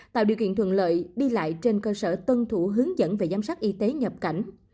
tạo điều kiện thuận lợi đi lại trên cơ sở tuân thủ hướng dẫn về giám sát y tế nhập cảnh